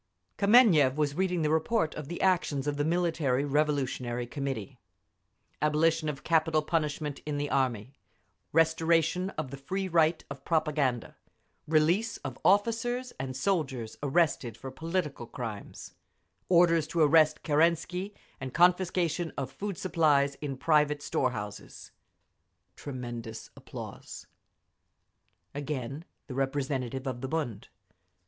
Kameniev was reading the report of the actions of the Military Revolutionary Committee; abolition of capital punishment in the Army, restoration of the free right of propaganda, release of officers and soldiers arrested for political crimes, orders to arrest Kerensky and confiscation of food supplies in private store houses…. Tremendous applause. Again the representative of the _Bund.